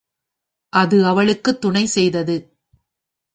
அது அவளுக்குத் துணை செய்தது.